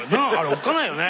おっかないよね。